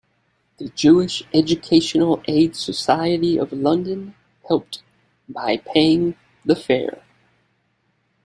The Jewish Educational Aid Society of London helped by paying the fare.